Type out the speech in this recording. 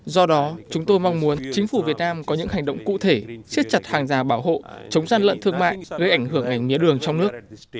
do đó chúng tôi mong muốn chính phủ việt nam có những hành động cụ thể siết chặt hàng già bảo hộ chống gian lận thương mại gây ảnh hưởng ngành mía đường trong nước